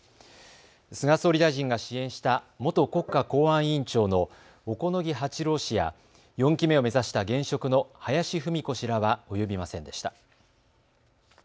菅総理大臣が支援した元国家公安委員長の小此木八郎氏や４期目を目指した現職の林文子氏らは及びませんでした。